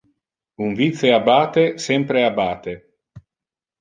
Un vice abbate, sempre abbate.